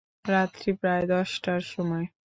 রাত্রি প্রায় দশটার সময়।